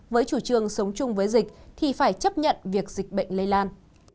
với chủ trương sống chung với dịch thì phải chấp nhận việc dịch bệnh lây lan